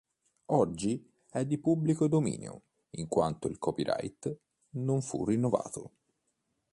Oggi è di pubblico dominio in quanto il copyright non fu rinnovato.